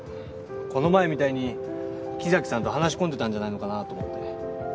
この前みたいに木崎さんと話し込んでたんじゃないのかなと思って。